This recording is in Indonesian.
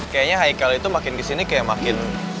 kayaknya haikal itu makin disini kayak makin